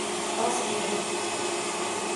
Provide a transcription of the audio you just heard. Bas geri!